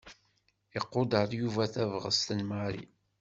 Iqudeṛ Yuba tabɣest n Mary.